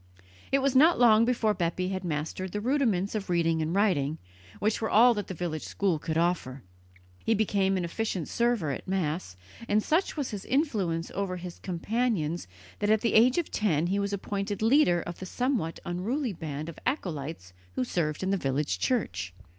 It was not long before Bepi had mastered the rudiments of reading and writing, which were all that the village school could offer. He became an efficient server at Mass, and such was his influence over his companions that at the age of ten he was appointed leader of the somewhat unruly band of acolytes who served in the village church.